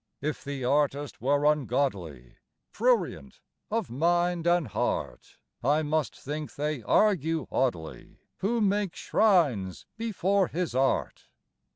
If the artist were ungodly, Prurient of mind and heart, I must think they argue oddly Who make shrines before his art.